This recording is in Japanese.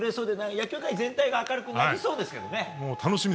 野球界全体が明るくなりそうですけどね。